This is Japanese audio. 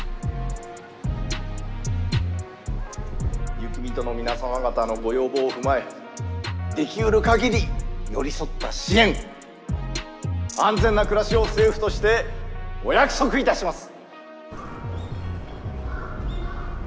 雪人の皆様方のご要望を踏まえできるかぎり寄り添った支援安全な暮らしを政府としてお約束いたします。